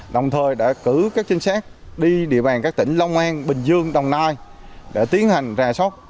đồng thời đã cử các chính sách đi địa bàn các tỉnh long an bình dương đồng nai để tiến hành ra sốc